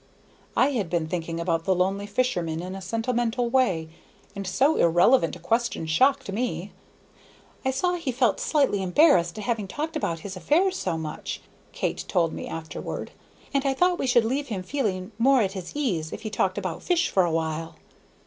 I had been thinking about the lonely fisherman in a sentimental way, and so irrelevant a question shocked me. "I saw he felt slightly embarrassed at having talked about his affairs so much," Kate told me afterward, "and I thought we should leave him feeling more at his ease if we talked about fish for a while."